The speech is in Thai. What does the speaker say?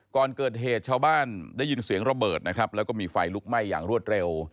ก่อนเกิดเหตุชาวบ้านได้ยินเสียงระเบิดนะครับแล้วก็มีไฟลุกไหม้อย่างรวดเร็ว